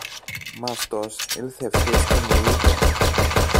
Μ' αυτός ήλθε ευθύς και μου είπε